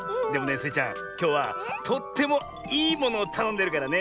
きょうはとってもいいものをたのんでるからね！